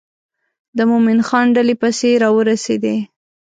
د مومن خان ډلې پسې را ورسېدې.